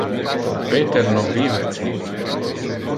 Peter non vive ci.